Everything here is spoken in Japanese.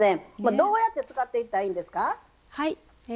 どうやって使っていったらいいんですか？